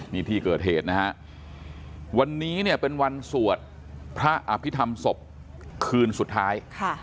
นี่ที่เกิดเหตุนะฮะวันนี้เนี่ยเป็นวันสวดพระอภิษฐรรมศพคืนสุดท้าย